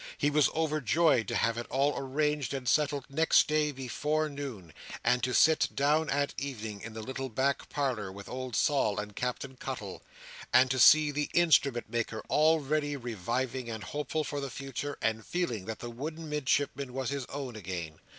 He was overjoyed to have it all arranged and settled next day before noon; and to sit down at evening in the little back parlour with old Sol and Captain Cuttle; and to see the Instrument maker already reviving, and hopeful for the future, and feeling that the wooden Midshipman was his own again.